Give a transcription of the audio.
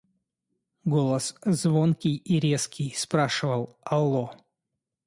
Голос звонкий и резкий спрашивал: – Алло!